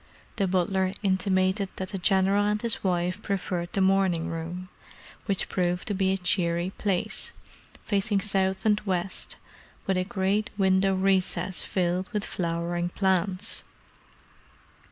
The butler intimated that the General and his wife preferred the morning room, which proved to be a cheery place, facing south and west, with a great window recess filled with flowering plants.